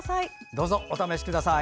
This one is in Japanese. どうぞ、お試しください。